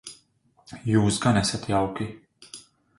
Jūs gan esat jauki.